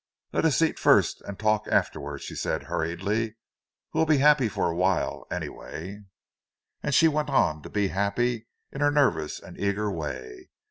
"Let us eat first and talk afterward," she said, hurriedly. "We'll be happy for a while, anyway." And she went on to be happy, in her nervous and eager way.